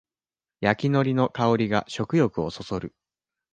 焼きのりの香りが食欲をそそる